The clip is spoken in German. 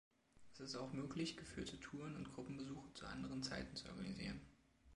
Es ist auch möglich, geführte Touren und Gruppenbesuche zu anderen Zeiten zu organisieren.